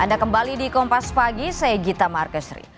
anda kembali di kompas pagi saya gita markesri